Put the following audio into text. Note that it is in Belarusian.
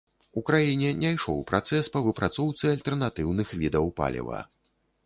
У краіне не ішоў працэс па выпрацоўцы альтэрнатыўных відаў паліва.